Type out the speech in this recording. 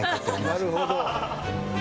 なるほど。